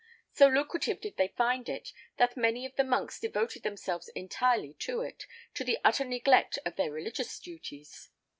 So lucrative did they find it that many of the monks devoted themselves entirely to it, to the utter neglect of their religious duties.